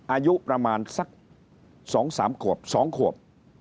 อายุประมาณสักสองสามขวบสองขวบ